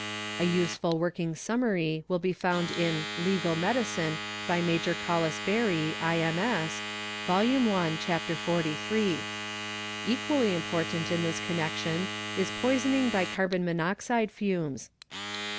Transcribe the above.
A useful working summary will be found in "Legal Medicine" by Major Collis Barry, IM.S., Vol. I. Chap. XLIII. Equally — important in this connection is poisoning by carbon monoxide fumes.